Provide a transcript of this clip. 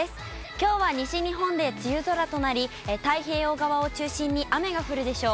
きょうは西日本で梅雨空となり、太平洋側を中心に雨が降るでしょう。